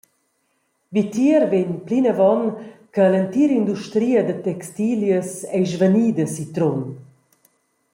Vitier vegn plinavon che l’entira industria da textilias ei svanida si Trun.